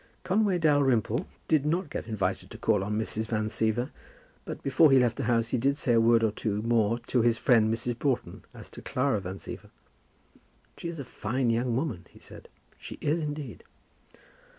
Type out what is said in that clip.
Conway Dalrymple did not get invited to call on Mrs. Van Siever, but before he left the house he did say a word or two more to his friend Mrs. Broughton as to Clara Van Siever. "She is a fine young woman," he said; "she is indeed."